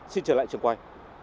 xin trở lại trường quay